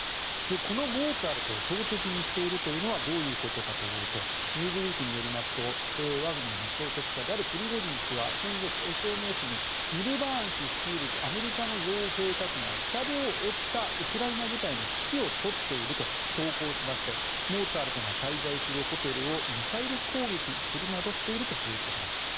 このモーツァルトを標的にしているというのはどういうことかというと「ニューズウィーク」によりますとワグネルの創設者であるプリゴジン氏は先月、ＳＮＳにミルバーン氏率いるアメリカの傭兵たちが痛手を負ったウクライナ部隊の指揮を執っていると投稿しましてモーツァルトが滞在するホテルをミサイル攻撃するなどしているということでした。